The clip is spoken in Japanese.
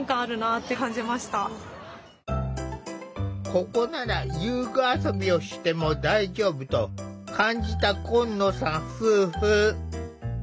ここなら遊具遊びをしても大丈夫と感じた今野さん夫婦。